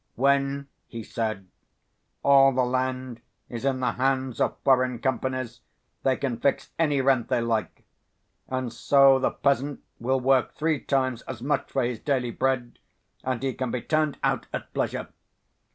When,' he said, 'all the land is in the hands of foreign companies they can fix any rent they like. And so the peasant will work three times as much for his daily bread and he can be turned out at pleasure.